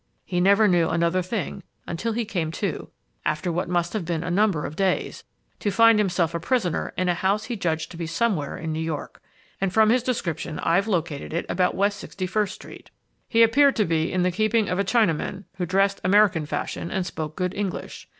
He never knew another thing until he came to, after what must have been a number of days, to find himself a prisoner in a house he judged to be somewhere in New York. And from his description I've located it about west Sixty first street. "He appeared to be in the keeping of a Chinaman who dressed American fashion and spoke good English.